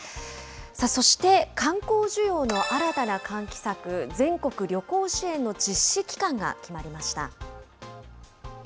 そして、観光需要の新たな喚起策、全国旅行支援の実施期間が決まりました。